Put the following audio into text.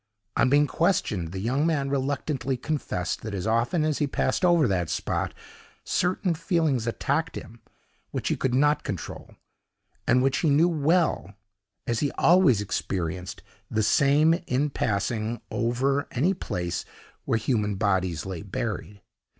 On being questioned, the young man reluctantly confessed, that as often as he passed over that spot, certain feelings attacked him, which he could not control, and which he knew well, as he always experienced the same, in passing over any place where human bodies lay buried.